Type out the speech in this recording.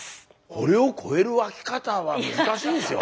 これを超える沸き方は難しいですよ。